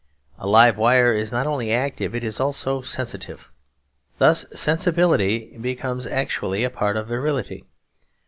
A live wire is not only active, it is also sensitive. Thus sensibility becomes actually a part of virility.